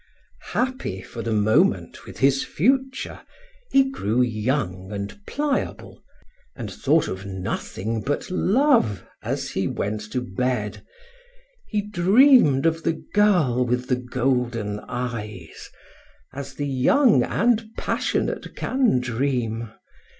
Happy, for the moment, with his future, he grew young and pliable, and thought of nothing but love as he went to bed. He dreamed of the girl with the golden eyes, as the young and passionate can dream.